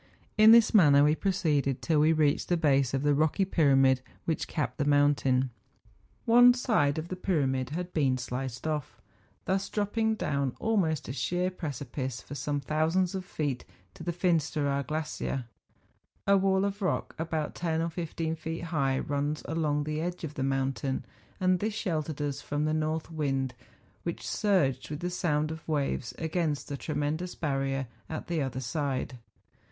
In this manner we proceeded till we reached the base of the rocky pyramid which capped the mountain. One side of the pyramid had been sliced off, thus THE FINSTERAAKHORN. 43 dropping down almost a sheer precipice for some thousands of feet to the Finsteraar glacier. A wall of rock, about ten or fifteen feet high, runs along the edge of the mountain, and this sheltered us from the north wind, which, surged with the sound of waves against the tremendous barrier at the other side.